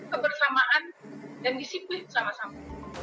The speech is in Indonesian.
kebersamaan dan disiplin sama sama